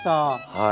はい。